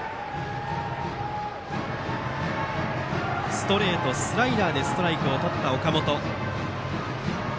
ストレート、スライダーでストライクをとった岡本。